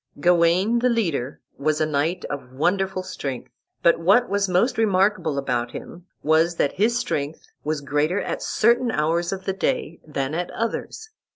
Gawain, the leader, was a knight of wonderful strength; but what was most remarkable about him was that his strength was greater at certain hours of the day than at others.